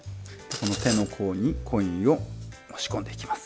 この手の甲にコインを押し込んでいきます。